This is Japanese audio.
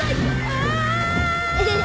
ああ。